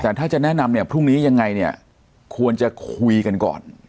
แต่ถ้าจะแนะนำเนี่ยพรุ่งนี้ยังไงเนี่ยควรจะคุยกันก่อน